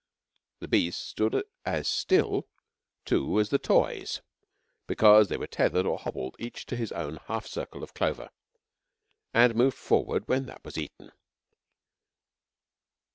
The beasts stood as still, too, as the toys, because they were tethered or hobbled each to his own half circle of clover, and moved forward when that was eaten.